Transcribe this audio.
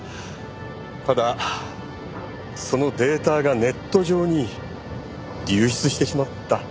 ただそのデータがネット上に流出してしまった。